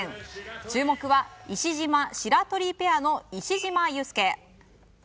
注目は石島、白鳥ペアの石島雄介。